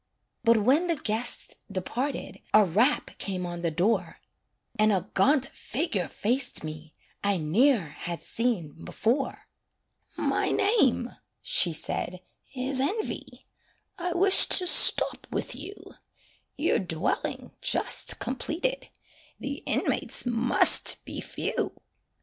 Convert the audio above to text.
But when the guests departed, A rap came on the door, And a gaunt figure faced me I ne'er had seen before. "My name," she said, "is Envy; I wish to stop with you; Your dwelling just completed, The inmates must be few."